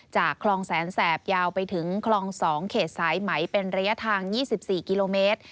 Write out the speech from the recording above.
คลองแสนแสบยาวไปถึงคลอง๒เขตสายไหมเป็นระยะทาง๒๔กิโลเมตร